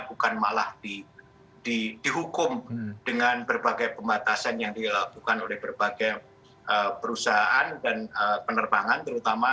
bukan malah dihukum dengan berbagai pembatasan yang dilakukan oleh berbagai perusahaan dan penerbangan terutama